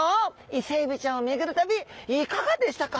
イセエビちゃんを巡る旅いかがでしたか？